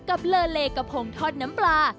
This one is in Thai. กับเล่เล่กระโพงทอดน้ำปลา